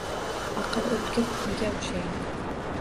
Aql o‘tkir tig‘ga o‘xshaydi.